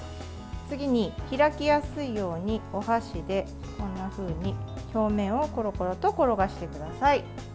次に開きやすいようにお箸で、こんなふうに表面をコロコロと転がしてください。